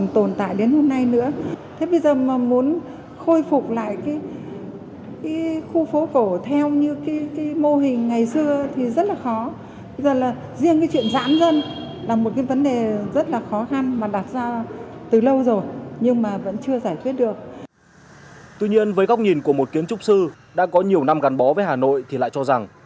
tuy nhiên với góc nhìn của một kiến trúc sư đã có nhiều năm gắn bó với hà nội thì lại cho rằng